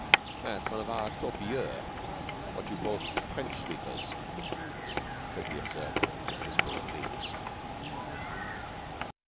"That's one of our torpilleurs what you call trench sweepers," said the observer among the whispering leaves.